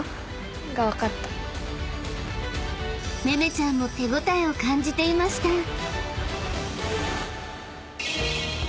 ［めめちゃんも手応えを感じていました］